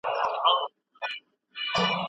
کومیټ د لمریز نظام په منځ کې اوږده مسیر تعقیبوي.